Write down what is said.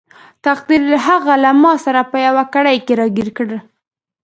تقدیر هغه له ماسره په یوه کړۍ کې راګیر کړ.